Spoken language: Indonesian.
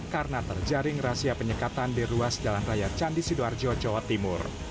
karena terjaring rahasia penyekatan di ruas jalan raya candi sidoarjo jawa timur